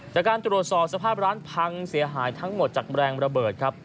จากการตรวจสอบสภาพร้านพังเสียหายทั้งหมดจากแรงระเบิดครับ